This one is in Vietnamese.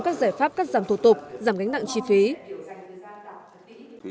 các giải pháp cắt giảm thủ tục giảm gánh nặng chi phí